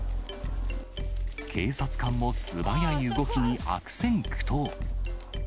警察官も素早い動きに悪戦苦闘。